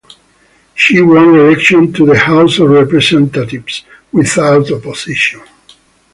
She won reelection to the House of Representatives without opposition.